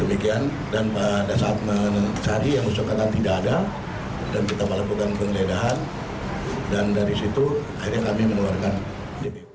demikian dan pada saat mencari yang bersangkutan tidak ada dan kita melakukan penggeledahan dan dari situ akhirnya kami mengeluarkan dpp